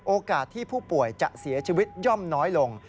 โอกาสที่ผู้ป่วยจะเสียชีวิตย่อมน้อยลง